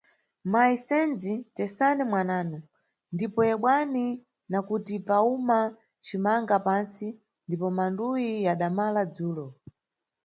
Mayi Msenzi, tesani mwananu, ndipo yebwani, nakuti pawuma cimanga pantsi, ndipo manduwi yadamala dzulo.